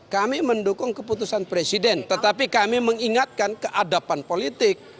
kami mendukung keputusan presiden tetapi kami mengingatkan keadapan politik